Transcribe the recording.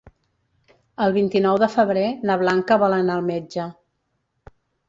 El vint-i-nou de febrer na Blanca vol anar al metge.